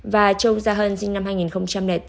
và châu gia hân sinh năm hai nghìn bốn